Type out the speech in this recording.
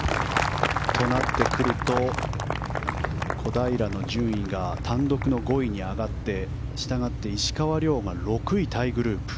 小平の順位が単独の５位に上がってしたがって、石川遼が６位タイグループ。